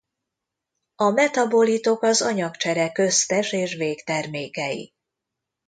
A metabolitok az anyagcsere köztes- és végtermékei.